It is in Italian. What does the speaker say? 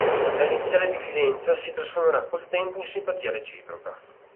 La iniziale diffidenza si trasformerà col tempo in simpatia reciproca.